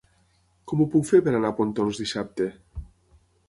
Com ho puc fer per anar a Pontons dissabte?